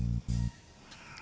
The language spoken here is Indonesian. kakek mau ngajarin kakek